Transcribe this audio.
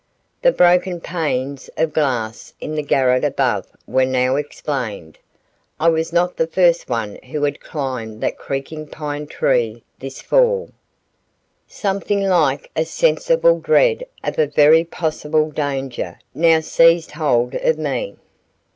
The broken panes of glass in the garret above were now explained. I was not the first one who had climbed that creaking pine tree this fall. Something like a sensible dread of a very possible danger now seized hold of me.